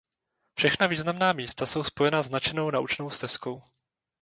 Všechna významná místa jsou spojena značenou naučnou stezkou.